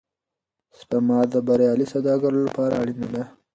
سپما د بریالي سوداګر لپاره اړینه ده.